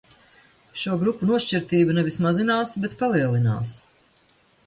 Šo grupu nošķirtība nevis mazinās, bet palielinās.